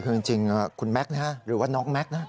คือจริงคุณแม็กซ์หรือว่าน้องแม็กซ์นะ